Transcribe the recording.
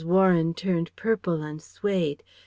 Warren turned purple and swayed.